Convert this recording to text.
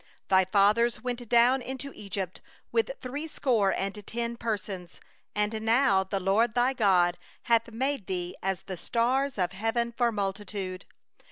22Thy fathers went down into Egypt with threescore and ten persons; and now the LORD thy God hath made thee as the stars of heaven for multitude.